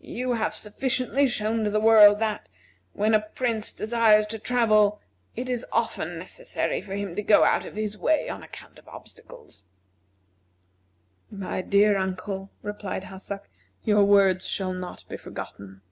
You have sufficiently shown to the world that, when a Prince desires to travel, it is often necessary for him to go out of his way on account of obstacles." "My dear uncle," replied Hassak, "your words shall not be forgotten."